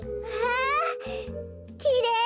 きれい！